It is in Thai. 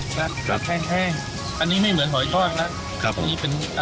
ครับแค่แห้งอันนี้ไม่เหมือนหอยทอดนะ